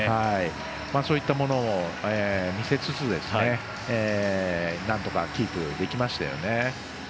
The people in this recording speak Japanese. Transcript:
そういったものを見せつつなんとかキープできましたよね。